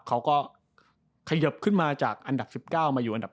เขาก็ขยิบขึ้นมาจากอันดับ๑๙มาอยู่อันดับ๘